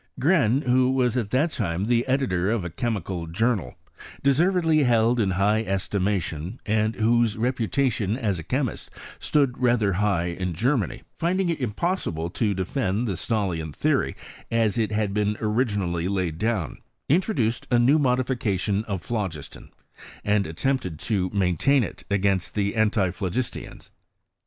Gren, who was at that time the editor of a chemical journal, deservedly held in high estimation, and whose reputation as a chemist stood rather high in Gcermany, finding it impossible to defend the Stahliaa theory as it had been originally laid down, intro duced a new modification of phlogiston, and at tempted to maintain it against the antiphlogistians.